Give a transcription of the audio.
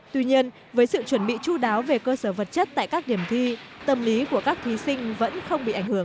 tuy nhiên với sự chuẩn bị chú đáo về cơ sở vật chất tại các điểm thi tâm lý của các thí sinh vẫn không bị ảnh hưởng